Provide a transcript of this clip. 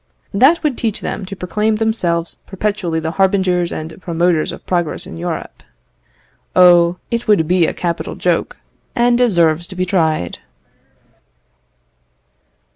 That would teach them to proclaim themselves perpetually the harbingers and promoters of progress in Europe. Oh! it would be a capital joke, and deserves to be tried."